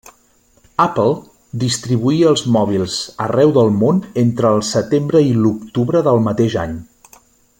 Apple distribuí els mòbils arreu del món entre el setembre i l'octubre del mateix any.